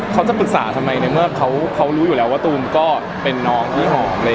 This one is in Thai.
เขาจะปรึกษาทำไมในเมื่อเขารู้อยู่แล้วว่าตูมก็เป็นน้องที่หอม